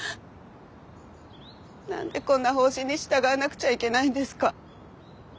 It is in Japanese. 何でこんな方針に従わなくちゃいけないんですか？